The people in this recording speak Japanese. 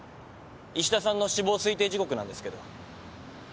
衣氏田さんの死亡推定時刻なんですけど。